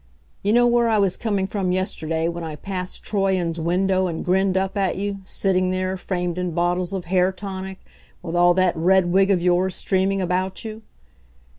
You know where I was coming from yesterday when I passed Troyon's window and grinned up at you, sitting there, framed in bottles of hair tonic, with all that red wig of yours streaming about you?